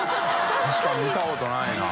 確かに見たことないな。）